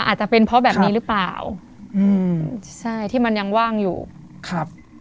อาจจะเป็นเพราะแบบนี้หรือเปล่าอืมใช่ที่มันยังว่างอยู่ครับ